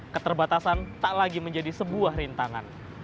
keterbatasan tak lagi menjadi sebuah rintangan